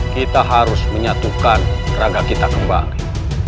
kita harus menyatukan raga kita kembali